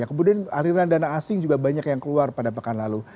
kemudian aliran dana asing juga banyak yang keluar pada pekan lalu